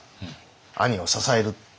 兄を支えるって。